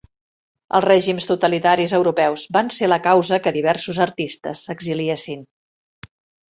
Els règims totalitaris europeus van ser la causa que diversos artistes s'exiliessin.